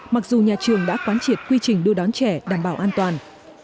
mặc dù nhà trường đã quán triệt quy trình đưa đón trẻ đảm bảo an toàn